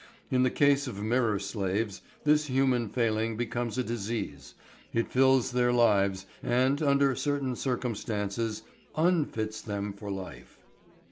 In the case of mirror slaves this human failing becomes a disease; it fills their lives and, under certain circumstances, unfits them for life.